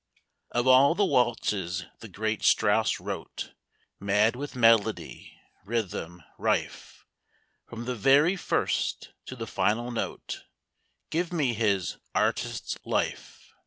Of all the waltzes the great Strauss wrote, Mad with melody, rhythm rife From the very first to the final note, Give me his "Artist's Life!"